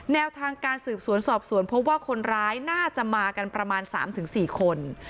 แนวทางการสืบสวนสอบสวนพบว่าคนร้ายน่าจะมากันประมาณ๓๔คน